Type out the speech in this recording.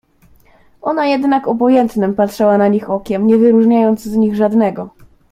"Ona jednak obojętnem patrzała na nich okiem, nie wyróżniając z nich żadnego."